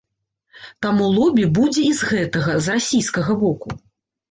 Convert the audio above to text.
Таму лобі будзе і з гэтага, з расійскага боку.